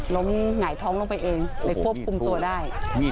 ล้มเหงายท้องลงไปเองเพราะคะวรบปรุงตัวได้